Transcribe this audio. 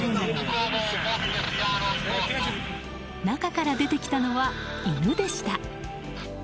中から出てきたのは犬でした。